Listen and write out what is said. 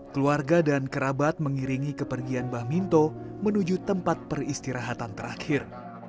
keluarga dan kerabat mengiringi kepergian bah minto menuju tempat peristirahatan terakhir